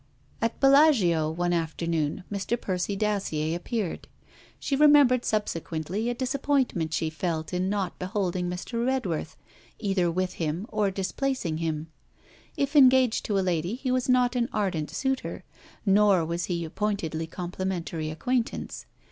At Bellagio one afternoon Mr. Percy Dacier appeared. She remembered subsequently a disappointment she felt in not beholding Mr. Redworth either with him or displacing him. If engaged to a lady, he was not an ardent suitor; nor was he a pointedly complimentary acquaintance.